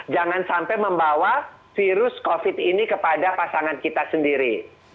jangan sampai membawa virus covid ini kepada pasangan kita sendiri